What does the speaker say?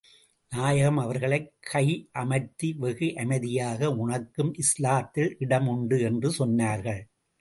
நாயகம், அவர்களைக் கை அமர்த்தி வெகு அமைதியாக உனக்கும் இஸ்லாத்தில் இடம் உண்டு என்று சொன்னார்கள்.